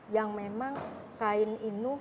yang memang kain inu